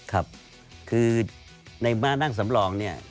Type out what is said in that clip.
ครับคือในมานั่งสำรองเนี่ย